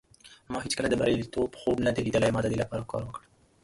ما هیڅکله د بریالیتوب خوب نه دی لیدلی. ما د دې لپاره کار وکړ.